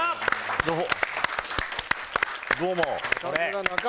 どうも。